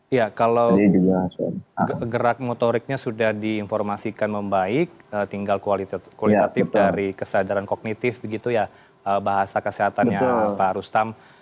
iya kalau gerak motoriknya sudah diinformasikan membaik tinggal kualitatif dari kesadaran kognitif begitu ya bahasa kesehatannya pak rustam